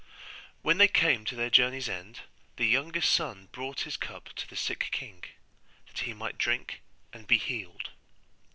When they came to their journey's end, the youngest son brought his cup to the sick king, that he might drink and be healed.